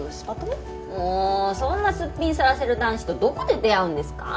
もうそんなすっぴんさらせる男子とどこで出会うんですか？